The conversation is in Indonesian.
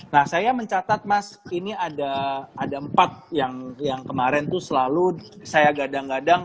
nah saya mencatat mas ini ada empat yang kemarin tuh selalu saya gadang gadang